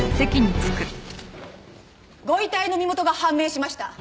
ご遺体の身元が判明しました。